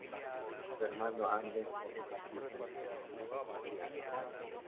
Su hermano Anders es bajista de la banda Tiamat.